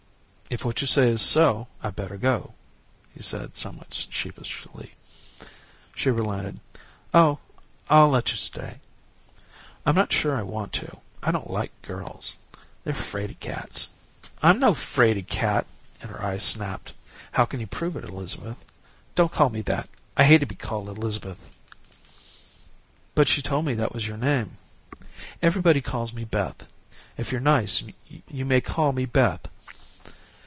"If what you say is so, I'd better go," he said somewhat sheepishly. She relented. "Oh, I'll let you stay." "I'm not sure I want to. I don't like girls. They're 'fraid cats." "I'm no 'fraid cat," and her eyes snapped. "How can you prove it, Elizabeth?" "Don't call me that. I hate to be called Elizabeth." "But you told me that was your name." "Everybody calls me Beth. If you're nice, you may call me Beth."